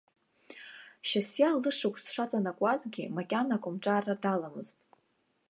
Шьасиа лышықәс шаҵанакуазгьы, макьана акомҿарра даламызт.